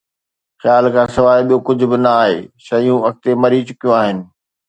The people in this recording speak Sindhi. خيال کان سواءِ ٻيو ڪجهه به نه آهي، شيون اڳتي مري چڪيون آهن